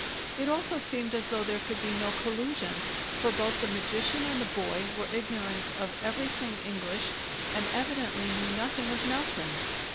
It also seemed as though there could be no collusion, for both the magician and the boy were ignorant of everything English and evidently knew nothing of Nelson.